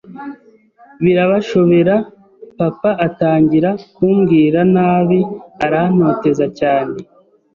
birabashobera, papa atangira kumbwira nabi arantoteza cyane